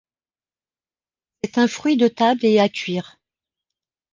C'est un fruit de table et à cuire.